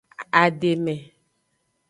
Ademe.